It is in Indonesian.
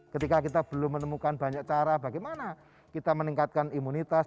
ketika kita belum menemukan banyak cara bagaimana kita meningkatkan imunitas